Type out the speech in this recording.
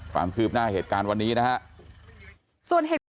ความคืบหน้าเหตุการณ์วันนี้นะครับ